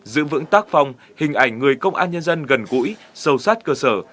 giữ vững tác phong hình ảnh người công an nhân dân gần gũi sâu sát cơ sở